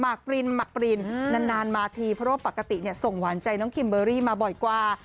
ปรินหมากปรินนานมาทีเพราะว่าปกติส่งหวานใจน้องคิมเบอร์รี่มาบ่อยกว่า